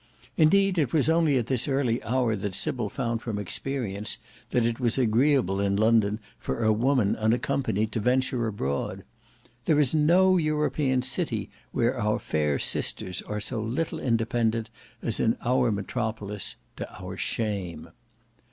Indeed it was only at this early hour, that Sybil found from experience, that it was agreeable in London for a woman unaccompanied to venture abroad. There is no European city where our fair sisters are so little independent as in our metropolis; to our shame.